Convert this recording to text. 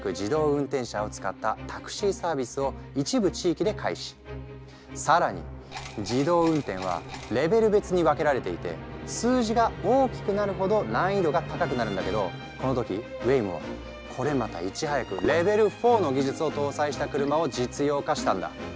この開発競争をリードしたのは更に自動運転はレベル別に分けられていて数字が大きくなるほど難易度が高くなるんだけどこの時ウェイモはこれまたいち早くレベル４の技術を搭載した車を実用化したんだ。